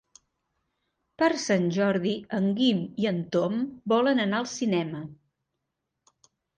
Per Sant Jordi en Guim i en Tom volen anar al cinema.